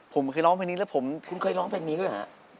ผมเคยร้องแบบนี้แล้วผมคุณเคยร้องแบบนี้ด้วยหรือครับ